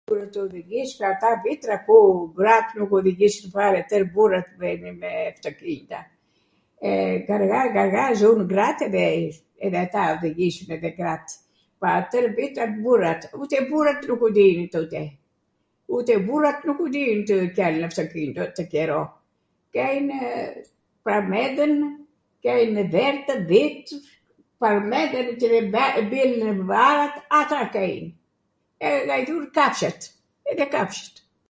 tw odhijis, nw ata vitra gratw nuk odhijisnin fare, twr burrat vejnw me aftoqinita. gargha gargha zunw edhe grat odhijisnw. pa twr vitrat burat, ute burat nukw dijnw tote, ute burat nuku dijnw te qellin aftoqinito atw qero. Kejnw parmendwn, kejnw deltw, dhitw, parmendwn qw mbijnw bar .... ato kejn, edhe ghajdhurw kafshwt, edhe kafshwt.